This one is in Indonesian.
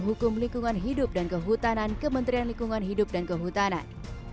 hukum lingkungan hidup dan kehutanan kementerian lingkungan hidup dan kehutanan